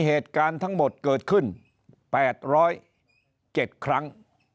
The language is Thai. เหตุการณ์ทั้งหมดเกิดขึ้น๘๐๗ครั้ง